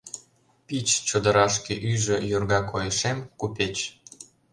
Пич чодырашке ӱжӧ йорга койышем — купеч.